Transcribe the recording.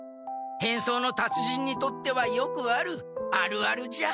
変装の達人にとってはよくあるあるあるじゃ。